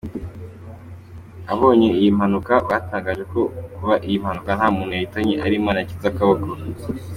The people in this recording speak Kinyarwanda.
Ababonye iyi mpanuka batangaje ko kuba iyi mpanuka ntamuntu yahitanye ari Imana yakinze ukuboko.